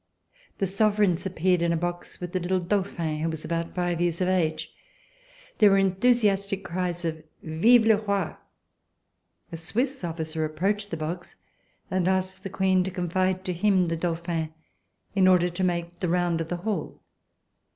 The sovereigns appeared in a box with the little Dauphin who was about five years of age. There were enthusiastic cries of: "Vive le Roi!" A Swiss officer approached the box and asked the Queen to confide to him the Dauphin, in order to make the round of the hall.